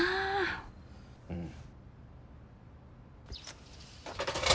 うん。